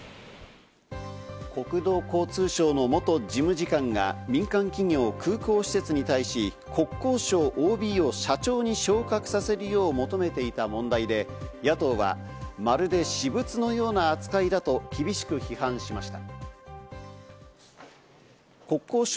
国土交通省の元事務次官が、民間企業・空港施設に対し、国交省ＯＢを社長に昇格させるよう求めていた問題で、野党は、まるで私物のような扱いだと厳しく批判しました。